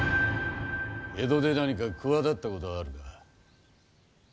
江戸で何か企てたことはあるか。